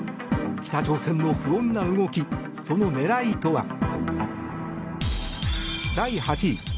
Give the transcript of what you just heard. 北朝鮮の不穏な動きその狙いとは？